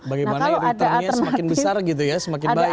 bagaimana returnnya semakin besar gitu ya semakin baik